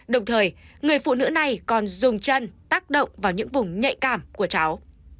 đồng thời người phụ nữ này còn dùng chân tác động vào những vùng nhạy cảm của cháu